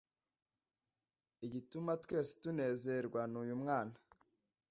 igutuma twese tunezerwa nuyu mwana